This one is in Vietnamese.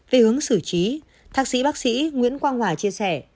về hướng xử trí thạc sĩ bác sĩ nguyễn quang hòa chia sẻ